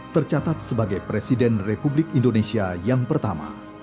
tercatat sebagai presiden republik indonesia yang pertama